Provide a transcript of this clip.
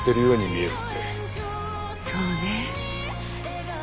そうね。